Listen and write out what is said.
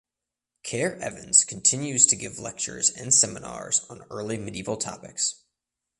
Care Evans continues to give lectures and seminars on early medieval topics.